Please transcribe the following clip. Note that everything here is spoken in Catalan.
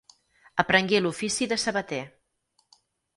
Aprengué l'ofici de sabater.